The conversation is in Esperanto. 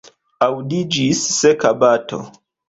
Aŭdiĝis seka bato.